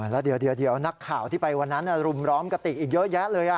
แล้วเดี๋ยวนักข่าวที่ไปวันนั้นรุมร้อมกติกอีกเยอะแยะเลย